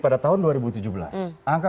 pada tahun dua ribu tujuh belas angka